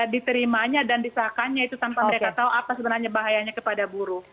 diterimanya dan disahkannya itu tanpa mereka tahu apa sebenarnya bahayanya kepada buruh